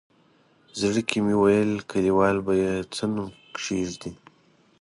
زړه کې مې ویل کلیوال به یې څه نوم کېږدي.